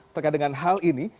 terkait dengan hal ini